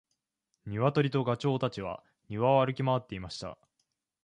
ニワトリとガチョウたちは庭を歩き回っていました。